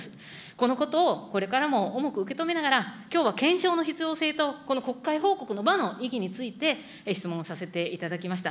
このことをこれからも重く受け止めながら、きょうは検証の必要性と、この国会報告の場の意義について質問させていただきました。